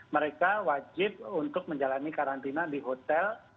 mereka wajib untuk menjalani karantina di hotel